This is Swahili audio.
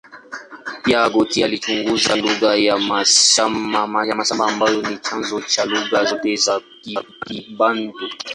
Pia, Guthrie alichunguza lugha ya nasaba ambayo ni chanzo cha lugha zote za Kibantu.